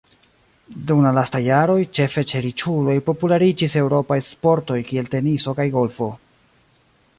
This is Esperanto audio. Dum la lastaj jaroj, ĉefe ĉe riĉuloj populariĝis eŭropaj sportoj kiel teniso kaj golfo.